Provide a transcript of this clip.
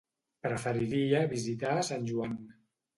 Preferiria visitar Sant Joan.